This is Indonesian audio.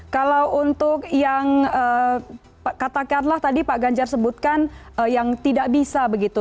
kalau untuk yang katakanlah tadi pak ganjar sebutkan yang tidak bisa begitu